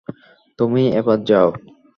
তুমি এবার যাও।